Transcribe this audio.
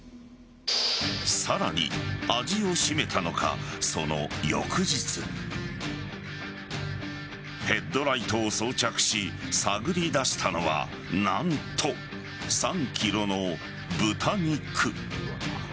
さらに味を占めたのか、その翌日ヘッドライトを装着し探り出したのは何と３ｋｇの豚肉。